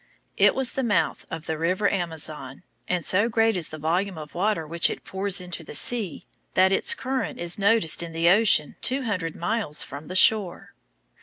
It was the mouth of the river Amazon, and so great is the volume of water which it pours into the sea that its current is noticed in the ocean two hundred miles from the shore.